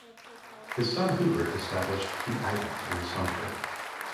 His son Hubert established "The Item" in Sumter.